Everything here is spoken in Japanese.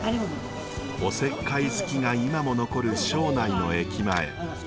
おせっかい好きが今も残る庄内の駅前。